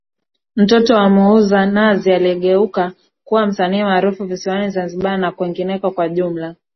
mtoto wa muuza nazi aliyegeuka kuwa msanii maarufu visiwani Zanzibar na kwengineko kwa ujumla